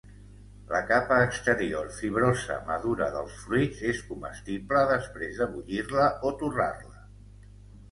La capa exterior fibrosa madura dels fruits és comestible després de bullir-la o torrar-la.